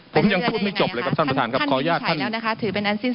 ผมยังพูดไม่จบเลยครับท่านประธานครับขออนุญาตท่าน